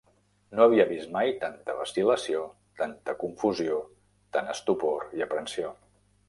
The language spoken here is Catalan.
No havia vist mai tanta vacil·lació, tanta confusió, tant estupor i aprensió.